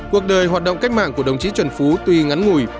cuộc đời hoạt động cách mạng của đồng chí trần phú tuy ngắn ngủi